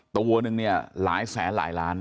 ตัวนึงเนี่ยหลายแสนหลายล้าน